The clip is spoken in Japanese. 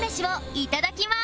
いただきます。